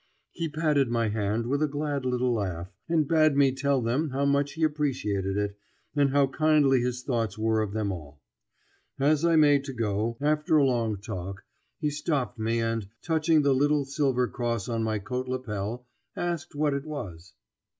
He patted my hand with a glad little laugh, and bade me tell them how much he appreciated it, and how kindly his thoughts were of them all. As I made to go, after a long talk, he stopped me and, touching the little silver cross on my coat lapel, asked what it was.